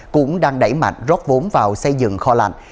cũng đang đẩy mạnh rót vốn vào xây dựng kho lạnh